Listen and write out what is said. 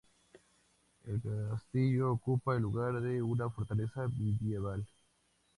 El castillo ocupa el lugar de una fortaleza medieval.